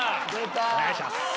お願いします。